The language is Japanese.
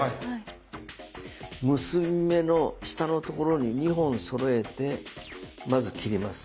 結び目の下のところに２本そろえてまず切ります。